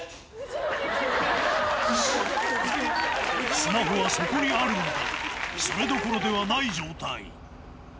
スマホはそこにあるのだが、それどころではない状態。